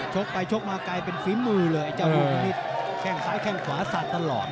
ไปชกมากลายเป็นฝีมือเลยไอ้เจ้านิดแข้งซ้ายแข้งขวาสาดตลอด